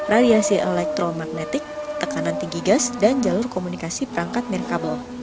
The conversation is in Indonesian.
radiasi elektromagnetik tekanan tinggi gas dan jalur komunikasi perangkat mirkabel